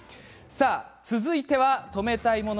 続いては止めたいもの